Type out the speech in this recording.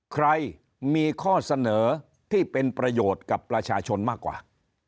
ใครมีข้อเสนอที่เป็นประโยชน์กับประชาชนมากกว่า